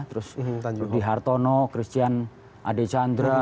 terus di hartono christian adechandra